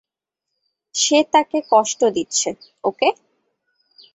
সে তাকে কষ্ট দিচ্ছে, ওকে?